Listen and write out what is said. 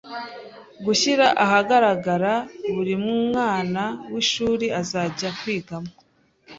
Gushyira ahagaragara buri mwana n’ishuri azajya kwigamo.”